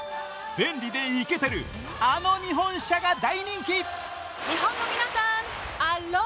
便利でイケてるあの日本車が大人気。